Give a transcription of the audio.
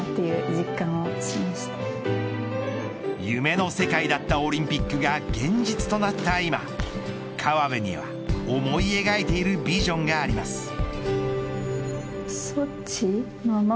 夢の世界だったオリンピックが現実となった今河辺には思い描いているビジョンがあります。